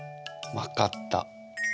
分かった。